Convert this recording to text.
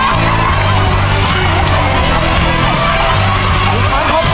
สี่สิบสาม